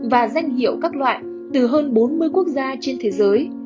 và danh hiệu các loại từ hơn bốn mươi quốc gia trên thế giới